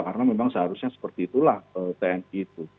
karena memang seharusnya seperti itulah tni itu